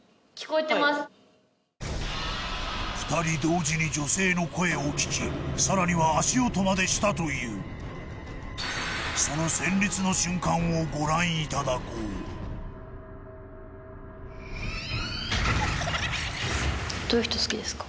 二人同時に女性の声を聞きさらには足音までしたというその戦慄の瞬間をご覧いただこうどういう人好きですか？